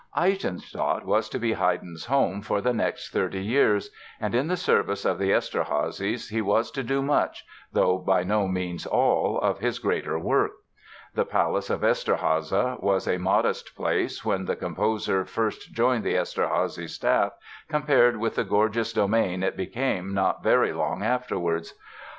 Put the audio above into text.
Eisenstadt was to be Haydn's home for the next thirty years, and in the service of the Eszterházys he was to do much—though by no means all—of his greater work. The palace of Eszterháza was a modest place when the composer first joined the Eszterházy staff compared with the gorgeous domain it became not very long afterwards.